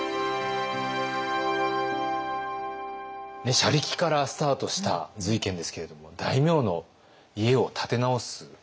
車力からスタートした瑞賢ですけれども大名の家を建て直すまでになった。